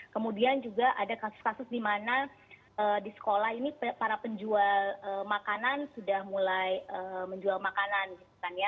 kemudian juga ada kasus kasus di mana di sekolah ini para penjual makanan sudah mulai menjual makanan gitu kan ya